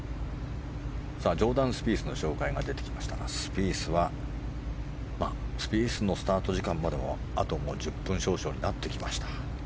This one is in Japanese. ジョーダン・スピースの紹介が出てきましたがスピースのスタート時間まではあと１０分少々になってきました。